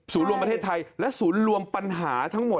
รวมประเทศไทยและศูนย์รวมปัญหาทั้งหมด